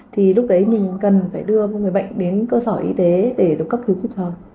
thì lúc đấy mình cần phải đưa một người bệnh đến cơ sở y tế để được cấp cứu chức hơn